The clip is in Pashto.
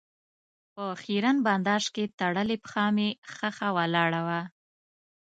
په خېرن بنداژ کې تړلې پښه مې ښخه ولاړه وه.